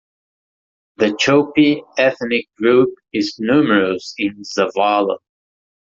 The Chopi ethnic group is numerous in Zavala.